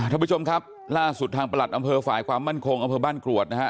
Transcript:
ท่านผู้ชมครับล่าสุดทางประหลัดอำเภอฝ่ายความมั่นคงอำเภอบ้านกรวดนะฮะ